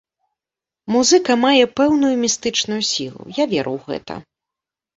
Музыка мае пэўную містычную сілу, я веру ў гэта.